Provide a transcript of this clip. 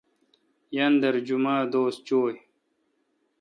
یاندر جمعہ دوس چویں۔